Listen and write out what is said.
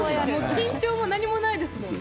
緊張も何もないですよね。